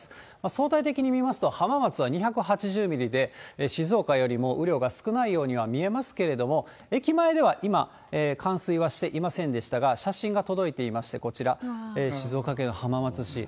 相対的に見ますと、浜松は２８０ミリで、静岡よりも雨量が少ないようには見えますけれども、駅前では今、冠水はしていませんでしたが、写真が届いていまして、こちら、静岡県の浜松市。